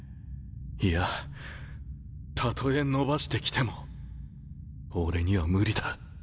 いやたとえ伸ばしてきても俺には無理だ。